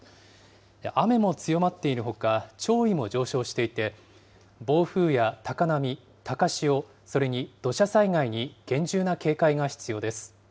雨も強まっているほか、潮位も上昇していて、暴風や高波、高潮、それに土砂災害に厳重な警戒が必要です。